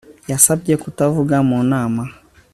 Yasabwe kutavuga mu nama